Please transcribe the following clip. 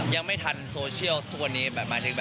ยังไม่ทันโซเชียลทุกวันนี้แบบมาถึง